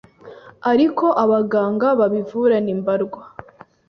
Ariko Abaganga babivura ni mbarwa